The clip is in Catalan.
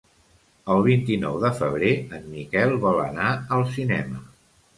El vint-i-nou de febrer en Miquel vol anar al cinema.